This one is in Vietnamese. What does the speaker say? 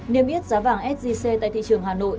niêm yết giá vàng sgc tại thị trường hà nội